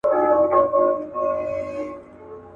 په یوه ژبه ګړیږو یو له بله نه پوهیږو.